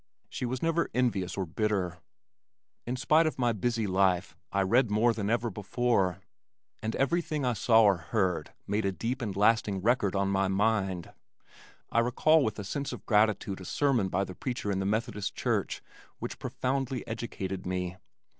She was never envious or bitter. In spite of my busy life, I read more than ever before, and everything I saw or heard made a deep and lasting record on my mind. I recall with a sense of gratitude a sermon by the preacher in the Methodist Church which profoundly educated me.